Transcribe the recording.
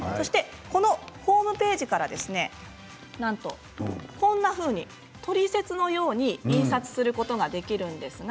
このホームページからなんとこんなふうにトリセツのように印刷することができるんです。